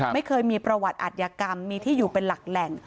ไม่เคยมีประวัติอัธยกรรมมีที่อยู่เป็นหลักแหล่ง